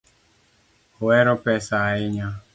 Ohero pesa ahinya